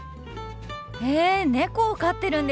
へえ猫を飼ってるんですね！